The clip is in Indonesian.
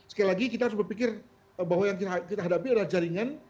saya pikir bahwa yang kita hadapi adalah jaringan